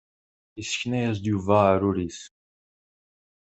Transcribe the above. Isekna-yas-d Yuba aɛrur-is.